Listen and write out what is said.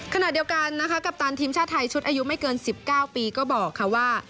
ขณะเดียวกันนะคะกัปตันทีมชาติไทยชุดอายุไม่เกิน๑๙ปีก็บอกค่ะว่า